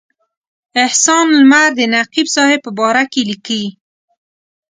احسان لمر د نقیب صاحب په باره کې لیکي.